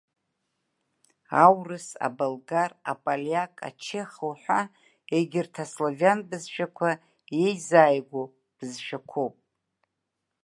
Аурыс, аболгар, аполиак, ачех уҳәа егьырҭ аславиан бызшәақәа иеизааигәоу бызшәақәоуп.